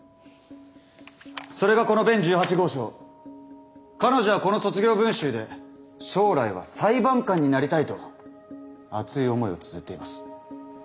それがこの弁１８号証彼女はこの卒業文集で将来は裁判官になりたいと熱い思いをつづっています。